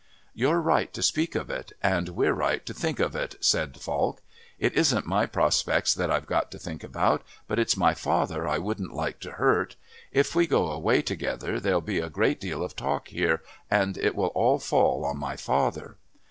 "You're right to speak of it, and we're right to think of it," said Falk. "It isn't my prospects that I've got to think about, but it's my father I wouldn't like to hurt. If we go away together there'll be a great deal of talk here, and it will all fall on my father."